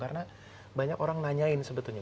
karena banyak orang nanyain sebetulnya